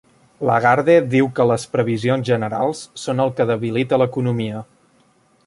Lagarde diu que les previsions generals són el que debilita l'economia